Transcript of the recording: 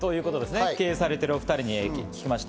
経営されているお２人に聞きました。